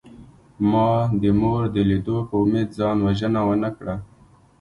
ما د مور د لیدو په امید ځان وژنه ونکړه